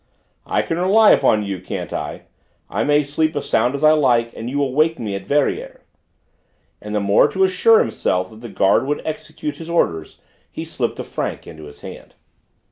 "I can rely upon you, can't I? I may sleep as sound as I like, and you will wake me at Verrières?" And the more to assure himself that the guard would execute his orders he slipped a franc into his hand.